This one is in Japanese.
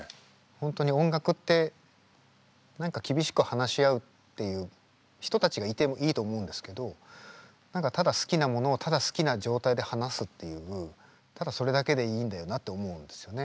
本当に音楽って何か厳しく話し合うっていう人たちがいてもいいと思うんですけど何かただ好きなものをただ好きな状態で話すっていうただそれだけでいいんだよなって思うんですよね。